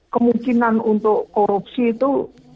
kemungkinan untuk korupsi itu